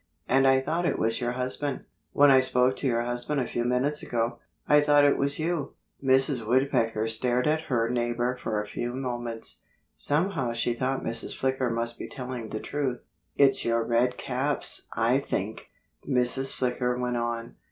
And I thought it was your husband. When I spoke to your husband a few minutes ago I thought it was you." Mrs. Woodpecker stared at her neighbor for a few moments. Somehow she thought Mrs. Flicker must be telling the truth. "It's your red caps, I think," Mrs. Flicker went on.